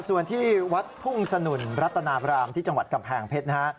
ส่วนที่วัดทุ่งสนุนรัตนาบรามที่จังหวัดกำแพงเพชรนะฮะ